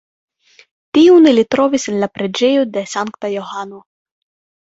Tiun ili trovis en la preĝejo de Sankta Johano.